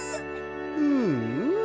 うんうん。